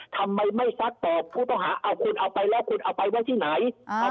ทำไมไม่ซักตอบผู้ต้องหาเอาคุณเอาไปแล้วคุณเอาไปไว้ที่ไหน